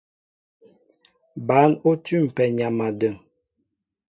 Bǎn ó tʉ̂mpɛ nyam a dəŋ.